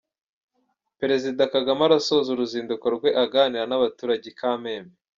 Perezida Kagame arasoza uruzinduko rwe aganira n’abaturage i Kamembe